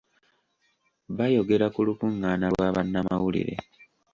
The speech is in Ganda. Bayogera ku lukungaana lwa bannamawulire .